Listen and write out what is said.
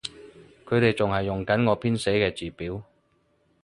佢哋仲係用緊我編寫嘅字表